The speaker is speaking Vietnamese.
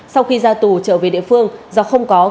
sau khi ra tù trở về địa phương do không có công an việc làm ổn định